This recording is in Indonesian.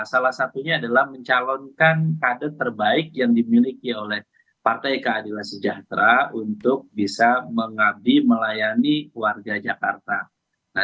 salah satunya adalah mencalonkan kader terbaik yang dimiliki oleh partai keadilan sejahtera untuk bisa mengabdi melayani warga jakarta